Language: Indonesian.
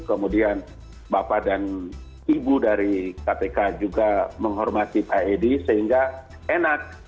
kemudian bapak dan ibu dari kpk juga menghormati pak edi sehingga enak